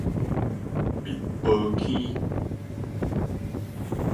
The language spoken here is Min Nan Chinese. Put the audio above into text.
密婆坑